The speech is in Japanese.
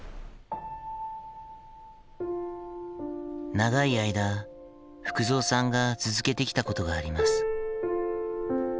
長い間福蔵さんが続けてきたことがあります。